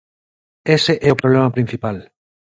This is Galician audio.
Ese é o problema principal.